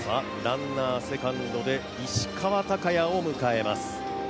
ランナー、セカンドで石川を迎えます。